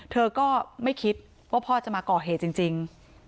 เธอก็ไม่คิดว่าพ่อจะมาก่อเหตุจริง